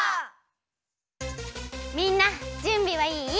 みんなじゅんびはいい？